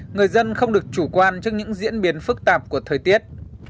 người dân không được chủ quan trước những diễn biến phức tạp của thời tiết